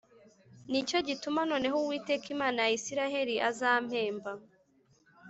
Ni cyo gituma noneho Uwiteka Imana ya Isirayeli azampemba